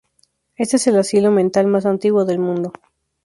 Este es el asilo mental más antiguo del mundo.